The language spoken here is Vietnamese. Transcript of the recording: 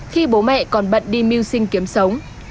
khi bố mẹ còn bận đi mưu sinh kiếm sống